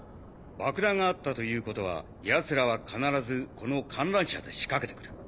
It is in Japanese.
爆弾があったということは奴らは必ずこの観覧車で仕掛けてくる。